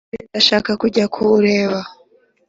None ndashaka kujya kuwureba